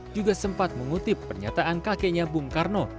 juga sempat mengutip pernyataan kakeknya bung karno